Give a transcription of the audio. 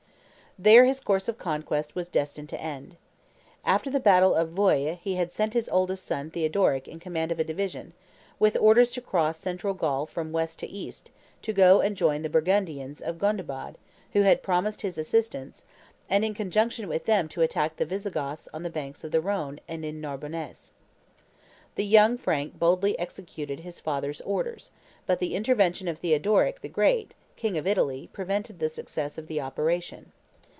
There his course of conquest was destined to end. After the battle of Vouille he had sent his eldest son Theodoric in command of a division, with orders to cross Central Gaul from west to east, to go and join the Burgundians of Gondebaud, who had promised his assistance, and in conjunction with them to attack the Visigoths on the banks of the Rhone and in Narbonness. The young Frank boldly executed his father's orders, but the intervention of Theodoric the Great, king of Italy, prevented the success of the operation.